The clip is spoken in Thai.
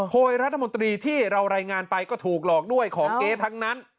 โดยรัฐมนตรีที่เรารายงานไปก็ถูกหลอกด้วยของเก๊ทั้งนั้น